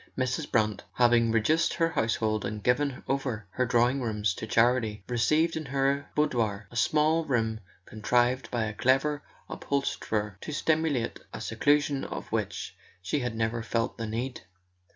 Mrs. Brant, having reduced her household and given over her drawing rooms to charity, received in her boudoir, a small room contrived by a clever upholsterer to simulate a seclusion of which she had never felt the need.